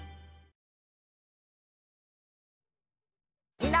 みんな！